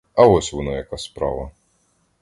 А ось воно яка справа.